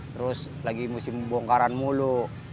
terus lagi musim bongkaran mulu